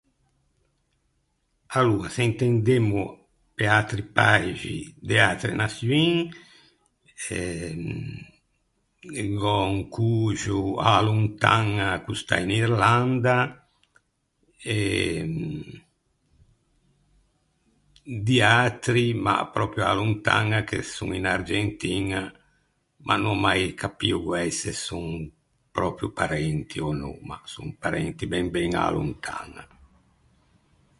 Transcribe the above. Aloa, se intendemmo pe atri paixi de atre naçioin, eh, gh’ò un coxo a-a lontaña ch’o stà in Irlanda e di atri ma pròpio a-a lontaña che son in Argentiña ma n’ò mai capio guæi se son pròpio parenti ò no, ma son parenti ben ben a-a lontaña.